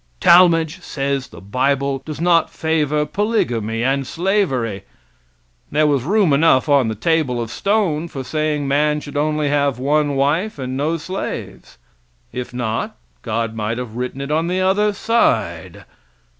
Talmage says the bible does not favor polygamy and slavery. There was room enough on the table of stone for saying man should only have one wife and no slaves. If not, God might have written it on the other side.